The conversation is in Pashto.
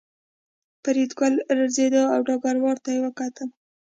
فریدګل لړزېده او ډګروال ته یې وکتل